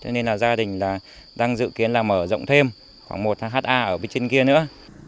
cho nên là gia đình là đang dự kiến là mở rộng thêm khoảng một ha ở bên trên kia nữa